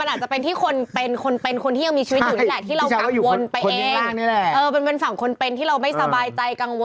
สบายใจกังวลใจอะไรอย่างเงี้ยนะครับ